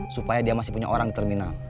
supaya dia masih punya orang di terminal